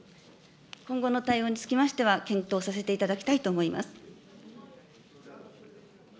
今後の対応につきましては、検討させていただきたいと思います。